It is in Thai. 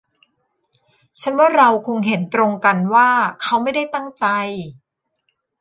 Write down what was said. ฉันว่าเราคงเห็นตรงกันว่าเขาไม่ได้ตั้งใจ